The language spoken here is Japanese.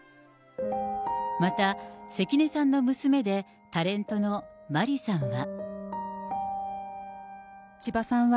また、関根さんの娘でタレントの麻里さんは。